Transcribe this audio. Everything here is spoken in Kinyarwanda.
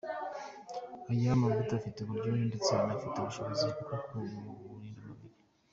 Aya mavuta afite uburyohe ndetse anafite ubushobozi bwo kurinda umubiri.